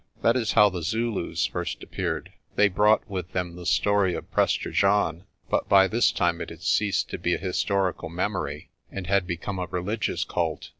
That is how the Zulus first appeared. They brought with them the story of Prester John, but by this time it had ceased to be a historical memory, and had become a religious cult.